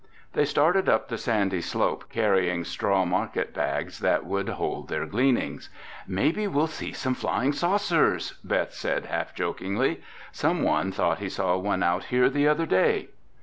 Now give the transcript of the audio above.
They started up the sandy slope carrying straw market bags that would hold their gleanings. "Maybe we'll see some Flying Saucers," Beth said half jokingly. "Someone thought he saw one out here the other day."